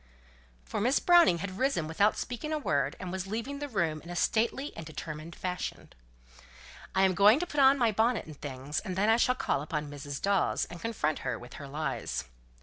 For Miss Browning had risen without speaking a word, and was leaving the room in a stately and determined fashion. "I'm going to put on my bonnet and things, and then I shall call upon Mrs. Dawes, and confront her with her lies."